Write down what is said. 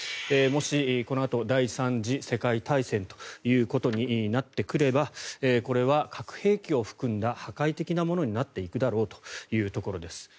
もしこのあと第３次世界大戦ということになってくればこれは核兵器を含んだ破壊的なものになっていくだろうということです。